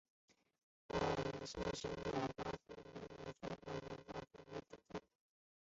现时有四条巴士路线及五条专线小巴路线以此为总站。